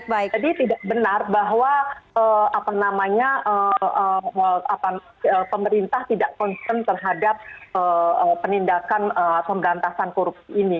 jadi tidak benar bahwa pemerintah tidak concern terhadap penindakan pemberantasan korupsi ini